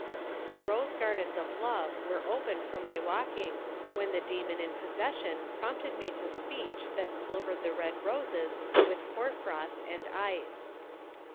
The rose gardens of Love were open for my walking when the demon in possession prompted me to speech that silvered the red roses with hoar frost and ice.